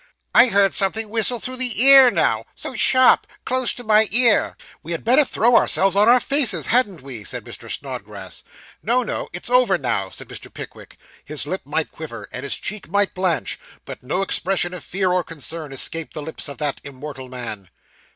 'I heard something whistle through the air now so sharp; close to my ear.' 'We had better throw ourselves on our faces, hadn't we?' said Mr. Snodgrass. 'No, no it's over now,' said Mr. Pickwick. His lip might quiver, and his cheek might blanch, but no expression of fear or concern escaped the lips of that immortal man.